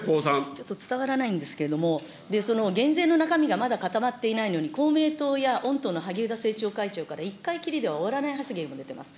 ちょっと伝わらないんですけれども、その減税の中身がまだ固まっていないのに、公明党や御党の萩生田政調会長から１回きりでは終わらない発言も出てます。